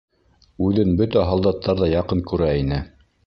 Үҙен бөтә һалдаттар ҙа яҡын күрә ине.